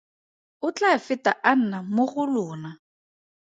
O tla feta a nna mo go lona.